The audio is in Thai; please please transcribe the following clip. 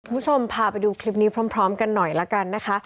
คุณผู้ชมพาไปดูคลิปนี้พร้อมกันหน่อยละกันนะคะ